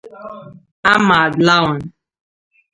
Ahmad Lawan